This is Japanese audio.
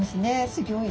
すギョい。